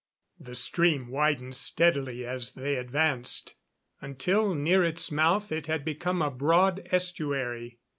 The stream widened steadily as they advanced, until near, its mouth it had become a broad estuary.